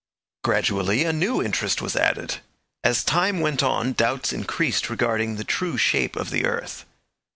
Gradually a new interest was added. As time went on doubts increased regarding the true shape of the earth.